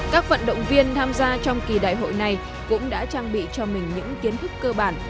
các vận động viên tham gia trong kỳ đại hội này cũng đã trang bị cho mình những kiến thức cơ bản